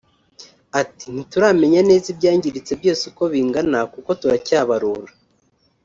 Ati “Ntituramenya neza ibyangiritse byose uko bingana kuko turacyabarura